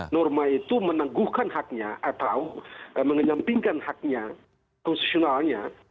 jadi kalau dia menanggungkan haknya atau menyampingkan haknya konstitusionalnya